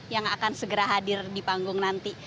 yang akan segera hadir di panggung nanti